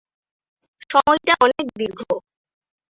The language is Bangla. সময়টা অনেক দীর্ঘ।